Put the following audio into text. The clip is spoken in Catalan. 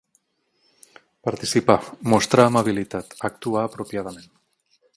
Participar, mostrar amabilitat, actuar apropiadament.